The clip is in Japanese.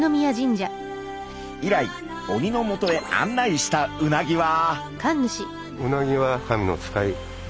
以来鬼のもとへ案内したうなぎは。